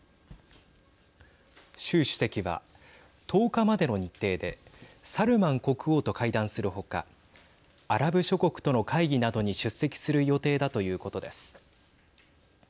習主席は１０日までの日程でサルマン国王と会談する他アラブ諸国との会議などに出席する予定だということです。